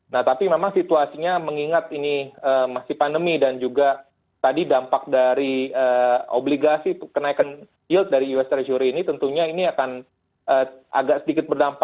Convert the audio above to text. nah tapi memang situasinya mengingat ini masih pandemi dan juga tadi dampak dari obligasi kenaikan yield dari us treasury ini tentunya ini akan agak sedikit berdampak